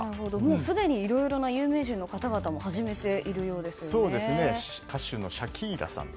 すでにいろいろな有名人の方々も始めているようですね。